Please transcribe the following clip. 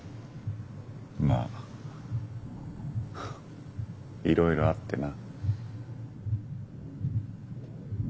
まあいろいろあってな。